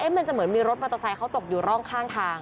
เอ๊ะมันจะเหมือนมีรถมันโทรไซด์เขาตกอยู่ร่องข้างทาง